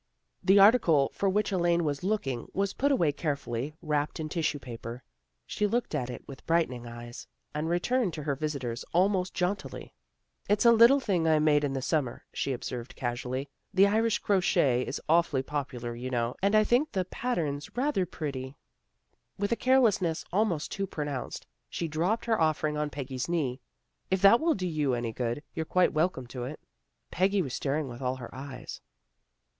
The article for which Elaine was looking was put away carefully, wrapped in tissue paper. She looked at it with brightening eyes, and returned to her visitors almost jauntily. " It's a little thing I made in the summer," she observed casually. " The Irish crochet is awfully popular, you know, and I think the ELAINE HAS VISITORS 97 pattern's rather pretty." With a carelessness almost too pronounced, she dropped her offer ing on Peggy's knee. " If that will do you any good, you're quite welcome to it." Peggy was staring with all her eyes.